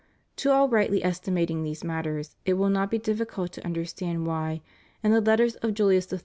To all rightly estimating these matters it will not be difficult to understand why, in the Letters of Julius III.